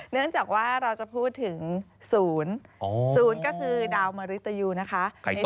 เนื่องจากว่าเราจะพูดถึงศูนย์ศูนย์ก็คือดาวมะริตยูนะคะ